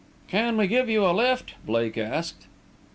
"Can we give you a lift?" Blake asked.